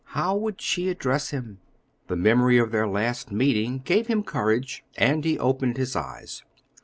How would she address him? The memory of their last meeting gave him courage, and he opened his eyes.